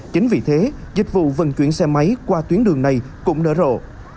chính vì thế dịch vụ vận chuyển xe máy qua tuyến đường này cũng nở rộ